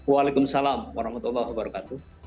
waalaikumsalam warahmatullahi wabarakatuh